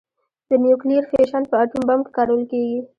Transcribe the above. د نیوکلیر فیشن په اټوم بم کې کارول کېږي.